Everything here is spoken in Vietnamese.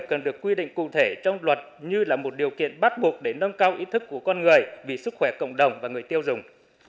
cần được quy định cụ thể trong luật như là một điều kiện bắt buộc để nâng cao ý thức của con người vì sức khỏe cộng đồng và người tiêu dùng